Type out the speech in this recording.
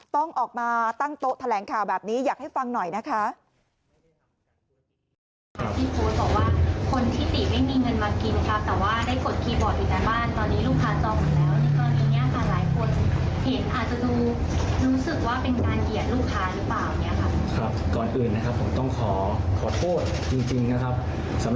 ต้องออกมาตั้งโต๊ะแถลงข่าวแบบนี้อยากให้ฟังหน่อยนะคะ